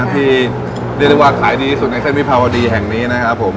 ที่เรียกได้ว่าขายดีสุดในเส้นวิภาวดีแห่งนี้นะครับผม